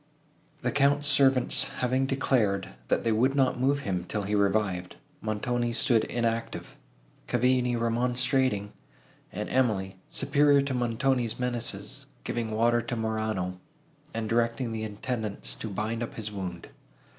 The Count's servants having declared, that they would not move him till he revived, Montoni's stood inactive, Cavigni remonstrating, and Emily, superior to Montoni's menaces, giving water to Morano, and directing the attendants to bind up his wound.